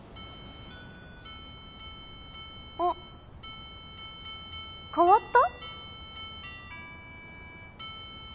あ変わった？